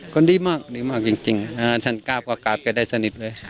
คนดีมากดีมากจริงฉันกล้าปกว่ากลับกันได้สนิทเลย